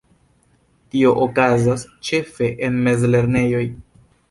Tio okazas ĉefe en mezlernejoj.